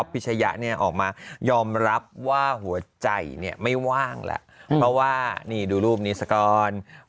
เพราะว่านี้ดูรูปนี้สักครู่